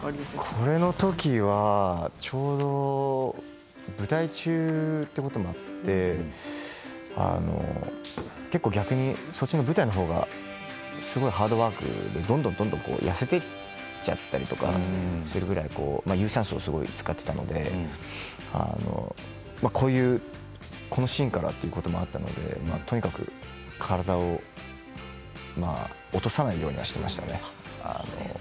これのときはちょうど舞台中ということもあって結構、そっちの舞台のほうがすごいハードワークでどんどんどんどん痩せていくいっちゃうような有酸素をすごく使っていたのでこのシーンからということもあったのでとにかく、体を落とさないようにしていましたね。